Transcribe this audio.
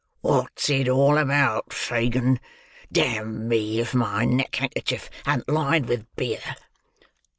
Wot's it all about, Fagin? D—me, if my neck handkercher an't lined with beer!